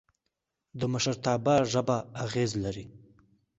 د مشرتابه ژبه اغېز لري